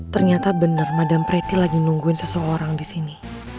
ternyata bener madam pretty lagi nungguin seseorang disini